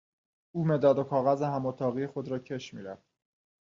او مداد و کاغذ هم اتاقی خود را کش میرفت.